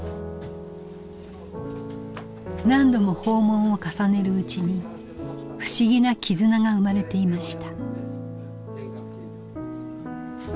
何度も訪問を重ねるうちに不思議な絆が生まれていました。